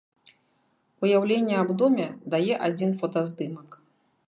Уяўленне аб доме дае адзін фотаздымак.